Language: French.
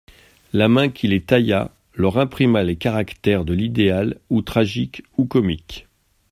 La main qui les tailla leur imprima les caractères de l'idéal ou tragique ou comique.